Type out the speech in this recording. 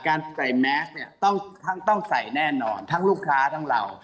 การใส่แมสเนี่ยต้องใส่แน่นอนทั้งลูกค้าทั้งเรา